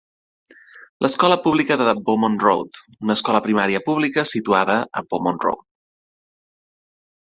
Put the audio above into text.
L'Escola Pública de Beaumont Road, una escola primària pública situada a Beaumont Road.